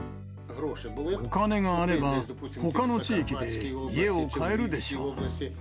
お金があれば、ほかの地域で家を買えるでしょう。